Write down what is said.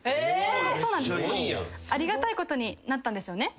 めっちゃいい。ありがたいことになったんですよね。